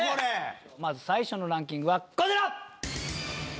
まず最初のランキングはこちら！